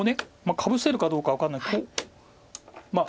かぶせるかどうか分かんないこう。